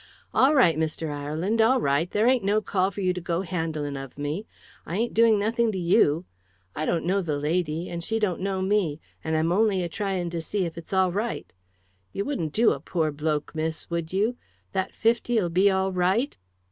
"All right, Mr. Ireland, all right; there ain't no call for you to go handling of me; I ain't doing nothing to you. I don't know the lady, and she don't know me, and I'm only a trying to see that's it's all right. You wouldn't do a pore bloke, miss, would you? That fifty'll be all right?"